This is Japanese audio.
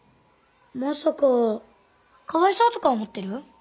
まさかかわいそうとか思ってる？